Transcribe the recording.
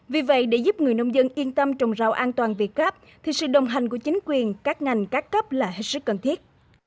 vì vậy để giúp người nông dân yên tâm trồng rau an toàn việc gáp thì sự đồng hành của chính quyền các ngành các cấp là hết sức cần thiết